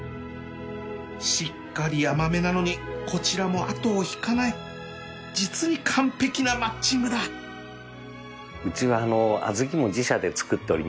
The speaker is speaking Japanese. しっかり甘めなのにこちらも後を引かない実に完璧なマッチングだうちは小豆も自社で作っておりまして。